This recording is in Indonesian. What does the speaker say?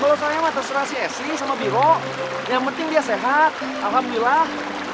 kalo soalnya mah terserah si esi sama biro yang penting dia sehat alhamdulillah